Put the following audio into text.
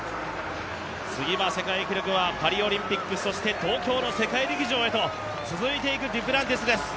次は、世界記録はパリオリンピック、そして東京の世界陸上へと続いていくデュプランティスです。